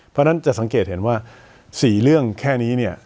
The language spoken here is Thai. เพราะฉะนั้นจะสังเกตเห็นว่า๔เรื่องแค่นี้เนี่ย